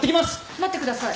待ってください。